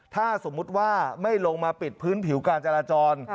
ถ้าสมมุติว่าไม่ลงมาปิดพื้นผิวการจราจร